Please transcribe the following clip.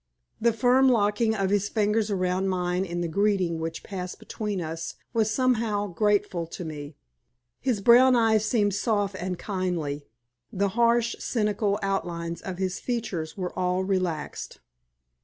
The firm locking of his fingers around mine in the greeting which passed between us was somehow grateful to me. His brown eyes seemed soft and kindly, the harsh, cynical outlines of his features were all relaxed.